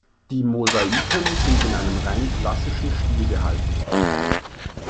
Die Mosaiken sind in einem rein klassischen Stil gehalten.